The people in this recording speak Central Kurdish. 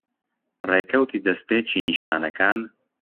ڕێکەوتی دەستپێکی نیشانەکان